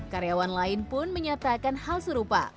karyawan lain pun menyatakan hal serupa